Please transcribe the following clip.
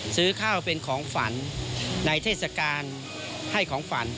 ซื้อข้าวเป็นของฝันในเทศกาลให้ของฝัน